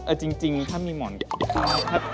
เออจริงถ้ามีหมอนข้าง